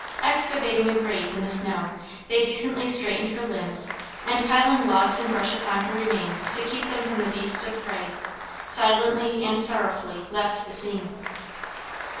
Excavating a grave in the snow they decently straightened her limbs, and piling logs and brush upon her remains to keep them from the beasts of prey, silently and sorrowfully left the scene.